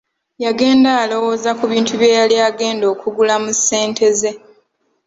Yagenda alowooza ku bintu bye yali agenda okugula mu ssente ze.